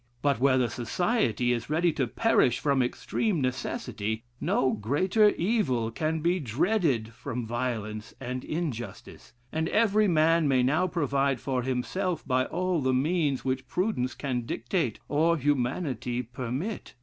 But where the society is ready to perish from extreme necessity, no greater evil can be dreaded from violence and injustice; and every man may now provide for himself by all the means which prudence can dictate, or humanity permit.